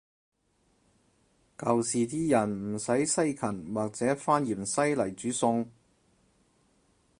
舊時啲人唔使西芹或者番芫茜來煮餸